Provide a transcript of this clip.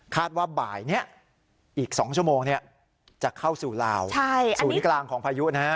คาดว่าบ่ายเนี่ยอีก๒ชั่วโมงเนี่ยจะเข้าสู่ลาวสูตรกลางของพายุนะฮะ